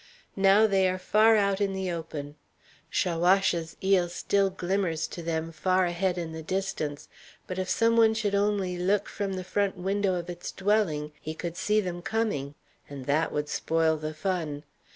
Now they are far out in the open. Chaouache's île still glimmers to them far ahead in the distance, but if some one should only look from the front window of its dwelling, he could see them coming. And that would spoil the fun.